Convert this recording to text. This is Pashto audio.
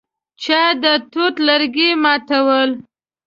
چا د توت لرګي ماتول.